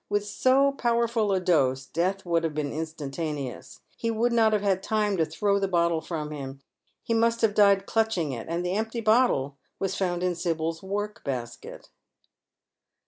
"With so powerful a dose death would have been instantaneous ; he would not have had time to throw the bottle from him ; ha must have died clutching it. And the empty bottle was found in Sybil's work basket."